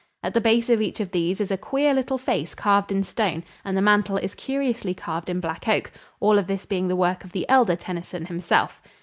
At the base of each of these is a queer little face carved in stone and the mantel is curiously carved in black oak all of this being the work of the elder Tennyson himself.